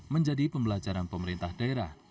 menjadi pembelajaran pemerintah daerah